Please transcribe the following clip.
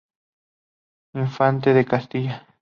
Infante de Castilla.